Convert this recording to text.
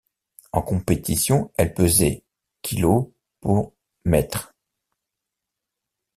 En compétition, elle pesait kg pour m.